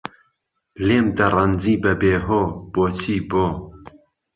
لێم دهڕهنجی بهبێهۆ، بۆچی بۆ